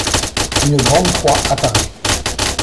Une grande Croix apparaît.